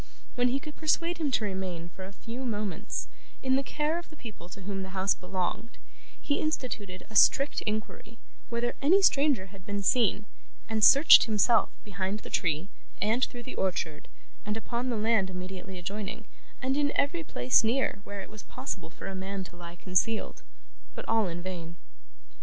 When he could persuade him to remain, for a few moments, in the care of the people to whom the house belonged, he instituted a strict inquiry whether any stranger had been seen, and searched himself behind the tree, and through the orchard, and upon the land immediately adjoining, and in every place near, where it was possible for a man to lie concealed; but all in vain.